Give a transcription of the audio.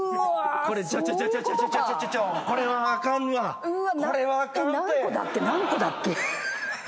これはあかんわこれはあかんって何個だっけ？